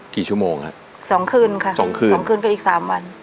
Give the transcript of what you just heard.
กี่ชั่วโมงฮะสองคืนค่ะสองคืนสองคืนไปอีกสามวัน